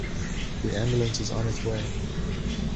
The ambulance is on its way.